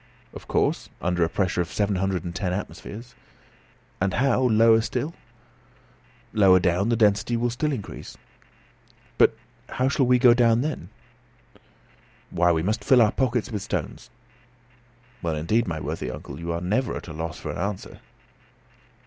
"Of course, under a pressure of seven hundred and ten atmospheres." "And how, lower down still?" "Lower down the density will still increase." "But how shall we go down then." "Why, we must fill our pockets with stones." "Well, indeed, my worthy uncle, you are never at a loss for an answer."